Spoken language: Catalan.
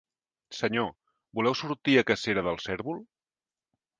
Senyor, voleu sortir a cacera del cèrvol?